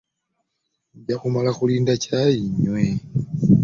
Nja kumala kulinda caayi nnywe.